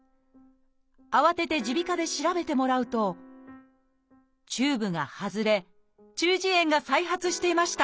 慌てて耳鼻科で調べてもらうとチューブが外れ中耳炎が再発していました